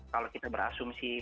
kalau kita berasumsi